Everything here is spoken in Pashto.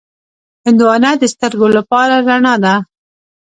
هندوانه د سترګو لپاره رڼا ده.